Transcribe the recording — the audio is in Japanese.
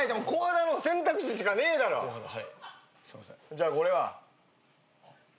じゃあこれは？